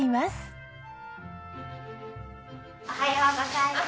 おはようございます。